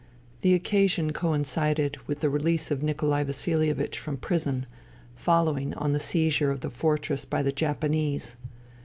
The occasion coincided with the release of Nikolai Vasilievich from prison, following on the seizure of the fortress by the Japanese.